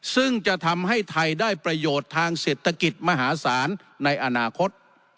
ซึ่งจะทำให้ไทยได้ประโยชน์ทางเศรษฐกิจมหาศาลในอนาคต